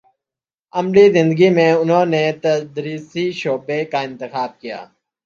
عملی زندگی میں انہوں نے تدریسی شعبے کا انتخاب کیا